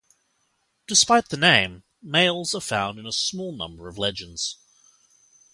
Despite the name, males are found in a small number of legends.